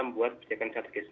membuat perjalanan strategis